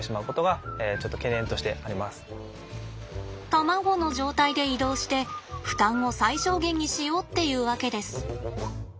卵の状態で移動して負担を最小限にしようっていうわけです。